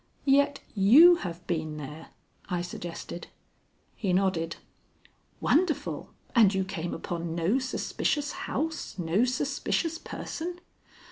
"Yet you have been there?" I suggested. He nodded. "Wonderful! And you came upon no suspicious house, no suspicious person?"